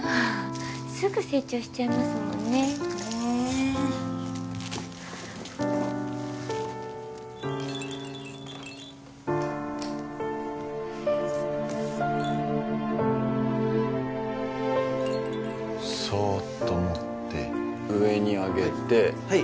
すぐ成長しちゃいますもんねねえそっと持って上に上げてはい